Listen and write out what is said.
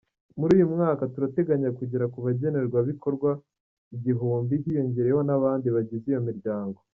Muri uyu mwaka turateganya kugera ku bagenerwabikorwa igihumbi, hiyongereyeho n’ abandi bagize iyo miryango.